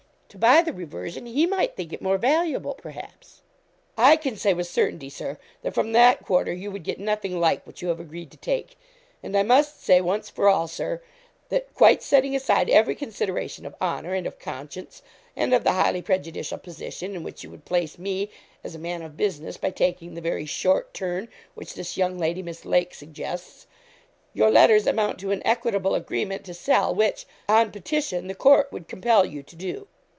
to buy the reversion, he might think it more valuable, perhaps.' 'I can say with certainty, Sir, that from that quarter you would get nothing like what you have agreed to take; and I must say, once for all, Sir, that quite setting aside every consideration of honour and of conscience, and of the highly prejudicial position in which you would place me as a man of business, by taking the very short turn which this young lady, Miss Lake, suggests your letters amount to an equitable agreement to sell, which, on petition, the court would compel you to do.'